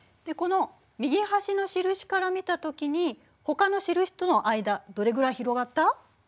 この右端の印から見たときにほかの印との間どれくらい広がった？